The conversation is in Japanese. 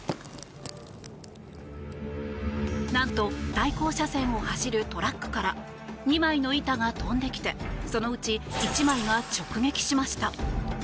なんと対向車線を走るトラックから２枚の板が飛んできてそのうち１枚が直撃しました。